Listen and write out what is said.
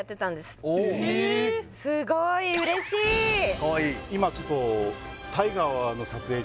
かわいい